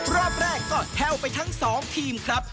รอบแรกก็แทวนไปทั้งสองทีมครับ